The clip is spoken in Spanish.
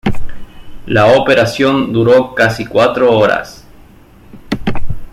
La operación duró casi cuatro horas.